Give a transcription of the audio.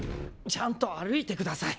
ちゃんと歩いてください。